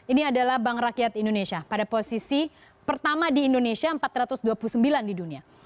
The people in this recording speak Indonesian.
ini adalah bank rakyat indonesia pada posisi pertama di indonesia empat ratus dua puluh sembilan di dunia